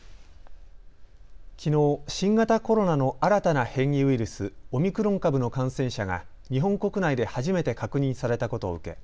きのう、新型コロナの新たな変異ウイルス、オミクロン株の感染者が日本国内で初めて確認されたことを受け